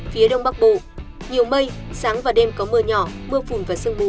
phía đông bắc bộ nhiều mây sáng và đêm có mưa nhỏ mưa phùn và sương mù